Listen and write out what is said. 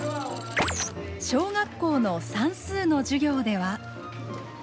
小学校の算数の授業では。